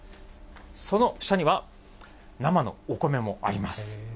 その下には、生のお米もあります。